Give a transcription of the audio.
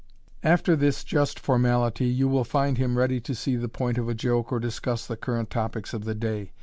After this just formality, you will find him ready to see the point of a joke or discuss the current topics of the day.